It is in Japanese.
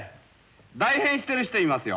代返している人いますよ。